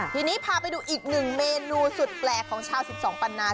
ทีนี้พาไปดูอีกหนึ่งเมนูสุดแปลกของชาว๑๒ปันนา